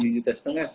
tujuh juta setengah